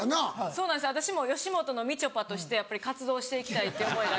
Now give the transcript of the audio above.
そうなんです私も吉本のみちょぱとして活動していきたいという思いが。